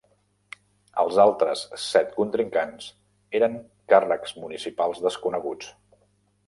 Els altres set contrincants eren càrrecs municipals desconeguts.